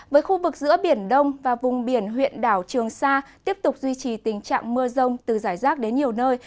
với khu vực giữa biển đông và vùng biển huyện đảo trường sa tiếp tục duy trì tình trạng mưa rông từ giải rác đến nhiều nơi